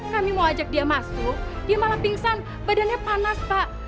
kami mau ajak dia masuk dia malah pingsan badannya panas pak